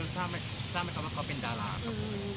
ทราบไหมครับว่าเขาเป็นดาราครับ